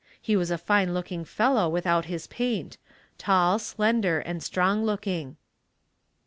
He was a fine looking fellow without his paint; tall, slender and strong looking.